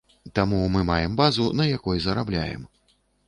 Таму мы маем базу, на якой зарабляем.